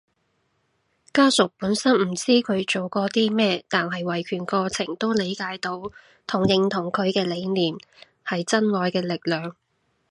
家屬本身唔知佢做過啲咩，但喺維權過程都理解到同認同佢嘅理念，係真愛嘅力量